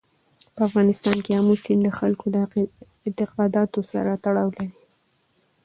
په افغانستان کې آمو سیند د خلکو د اعتقاداتو سره تړاو لري.